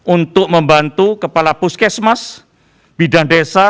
untuk membantu kepala puskesmas bidang desa